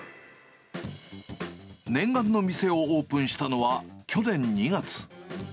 念願の店をオープンしたのは去年２月。